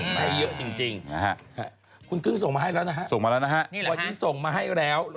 ไมให้เยอะจริงคุณกึ้งส่งมาให้แล้วนะฮะวันนี้ส่งมาให้แล้วนี่เหรอฮะ